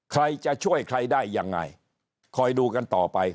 ใครจะช่วยใครได้ยังไงคอยดูกันต่อไป